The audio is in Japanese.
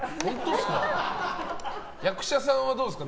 役者さんはどうですか？